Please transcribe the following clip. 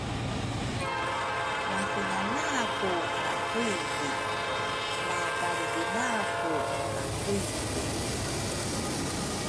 wathingalaku lrakuili, la kalrikilaku lrakuili.